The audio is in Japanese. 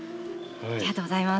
ありがとうございます。